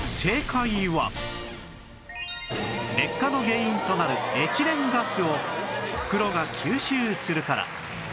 劣化の原因となるエチレンガスを袋が吸収するから